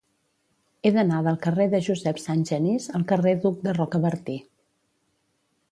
He d'anar del carrer de Josep Sangenís al carrer d'Hug de Rocabertí.